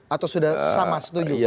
atau sudah sama setuju